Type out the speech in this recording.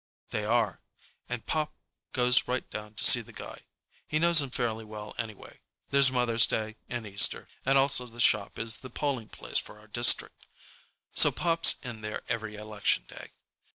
They are, and Pop goes right down to see the guy. He knows him fairly well anyway—there's Mother's Day, and Easter, and also the shop is the polling place for our district, so Pop's in there every Election Day.